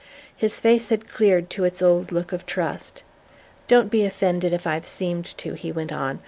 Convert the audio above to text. His face had cleared to its old look of trust. "Don't be offended if I've seemed to," he went on.